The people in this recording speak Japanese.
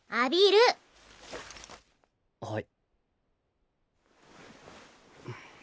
はい。